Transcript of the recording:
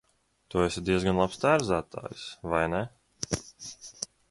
Tu esi diezgan labs tērzētājs, vai ne?